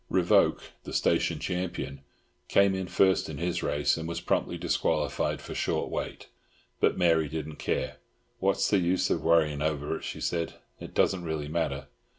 Revoke, the station champion, came in first in his race, and was promptly disqualified for short weight, but Mary didn't care. "What is the use of worrying over it?" she said. "It doesn't really matter."